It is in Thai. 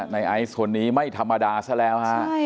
ในไอร์สขนนี้ไม่ธรรมดาซะแล้ว